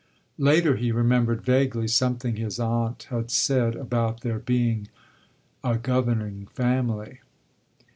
Later he remembered vaguely something his aunt had said about their being a governing family.